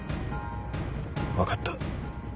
わかった。